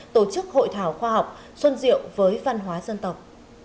tổ chức hội thảo khoa học xuân diệu với văn hóa dân tộc